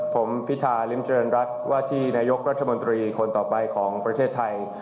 ผมพิธาริมเจริญรัฐว่าที่นายกรัฐมนตรีคนต่อไปของประเทศไทย